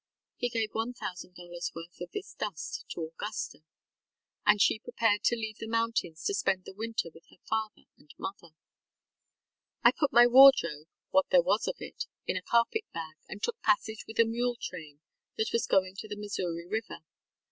He gave $1,000 worth of this dust to Augusta, and she prepared to leave the mountains to spend the winter with her father and mother. ŌĆ£I put my wardrobe, what there was of it, in a carpet bag, and took passage with a mule train that was going to the Missouri River.